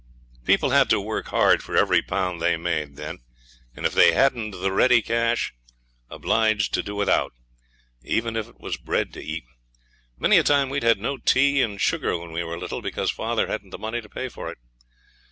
People had to work hard for every pound they made then, and, if they hadn't the ready cash, obliged to do without, even if it was bread to eat. Many a time we'd had no tea and sugar when we were little, because father hadn't the money to pay for it.